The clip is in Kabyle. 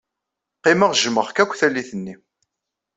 Qqimeɣ jjmeɣ-k akk tallit-nni.